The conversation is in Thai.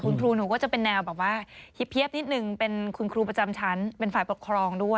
คุณครูหนูก็จะเป็นแนวแบบว่าเฮียบนิดนึงเป็นคุณครูประจำชั้นเป็นฝ่ายปกครองด้วย